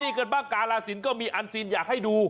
นี่กันบ้างกาลาศิลปก็มีอันซีนอยากให้ดู